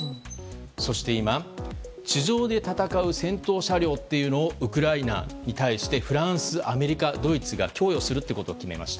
そして今、地上で戦う戦闘車両というのをウクライナに対してフランス、アメリカ、ドイツが供与するということを決めました。